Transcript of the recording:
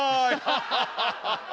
ハハハハ！